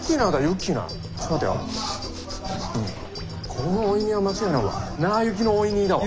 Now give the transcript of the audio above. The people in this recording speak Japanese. このオイニーは間違いないわ。